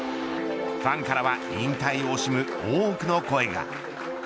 ファンからは引退を惜しむ多くの声が。